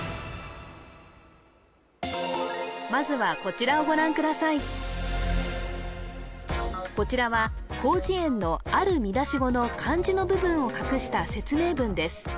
まずはこちらは広辞苑のある見出し語の漢字の部分を隠した説明文です